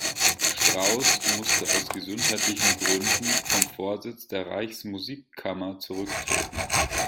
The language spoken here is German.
Strauss musste „aus gesundheitlichen Gründen“ vom Vorsitz der Reichsmusikkammer zurücktreten.